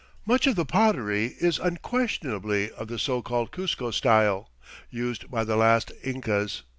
Much of the pottery is unquestionably of the so called Cuzco style, used by the last Incas.